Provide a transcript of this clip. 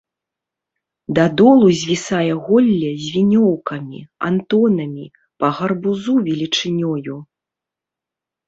Да долу звісае голле з вінёўкамі, антонамі, па гарбузу велічынёю.